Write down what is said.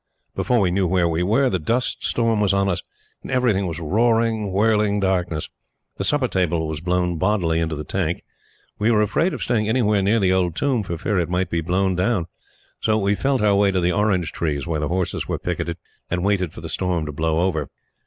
Before we knew where we were, the dust storm was on us, and everything was roaring, whirling darkness. The supper table was blown bodily into the tank. We were afraid of staying anywhere near the old tomb for fear it might be blown down. So we felt our way to the orange trees where the horses were picketed and waited for the storm to blow over.